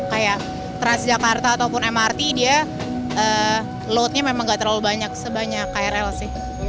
kayak transjakarta ataupun mrt dia load nya memang tidak terlalu banyak sebanyak krl sih